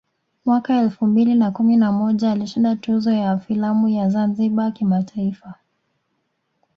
Mwaka elfu mbili na kumi na moja alishinda tuzo ya filamu ya ZanzibarI kimataifa